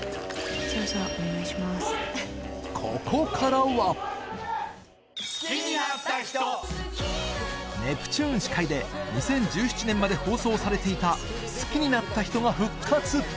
ここからはネプチューン司会で２０１７年まで放送されていた『好きになった人』が復活！